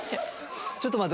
ちょっと待って！